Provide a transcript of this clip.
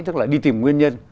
tức là đi tìm nguyên nhân